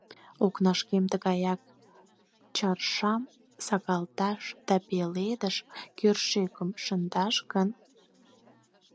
— Окнашкем тыгаяк чаршам сакалташ да пеледыш кӧршӧкым шындаш гын...